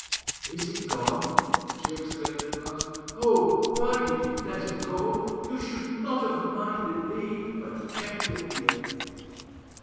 "Is he gone?" she exclaimed at last. "Oh, why did you let him go? You should not have minded me, but kept him here."